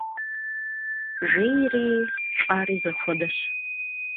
Jjêyre lh'are zexuedeş.